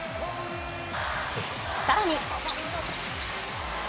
更に。